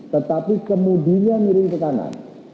tetapi kemudinya miring ke kanan